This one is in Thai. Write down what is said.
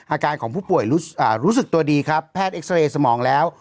อาการของผู้ป่วยรู้สึกตัวดีครับแพทย์เอ็กซาเรย์สมองแล้ว